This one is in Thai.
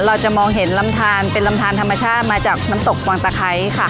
เราจะมองเห็นลำทานเป็นลำทานธรรมชาติมาจากน้ำตกวังตะไคร้ค่ะ